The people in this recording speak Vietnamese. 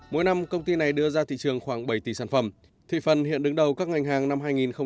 mỗi năm công ty này đưa ra thị trường khoảng bảy tỷ sản phẩm thị phần hiện đứng đầu các ngành hàng năm hai nghìn một mươi chín